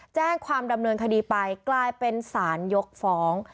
แจ้งความดำเนินคดีไปกลายเป็นสารยกฟ้อง